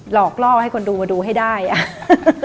หลอกล่อให้คนดูมาดูให้ได้อ่ะ